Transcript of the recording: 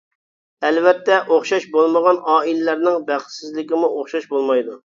ئەلۋەتتە، ئوخشاش بولمىغان ئائىلىلەرنىڭ بەختسىزلىكىمۇ ئوخشاش بولمايدۇ.